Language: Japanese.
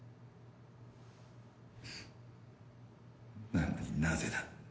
なのになぜだ。